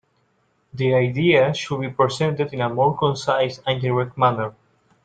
The ideas should be presented in a more concise and direct manner.